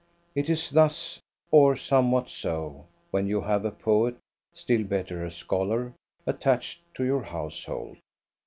It is thus, or somewhat so, when you have a poet, still better a scholar, attached to your household.